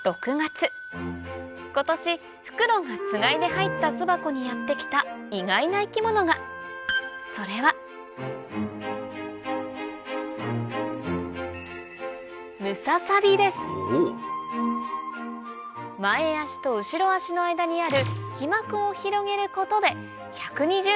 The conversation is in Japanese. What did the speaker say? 今年フクロウがつがいで入った巣箱にやって来た意外な生き物がそれは前足と後ろ足の間にある